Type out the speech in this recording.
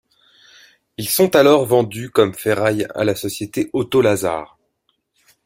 Ils sont alors vendus comme ferraille à la société Otto Lazar.